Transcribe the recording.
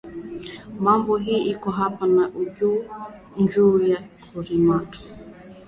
Mambo ile iko apa ni nju ya kurimatu